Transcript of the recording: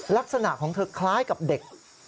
ลักษณะของเธอคล้ายกับเด็ก